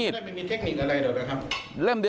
ใช่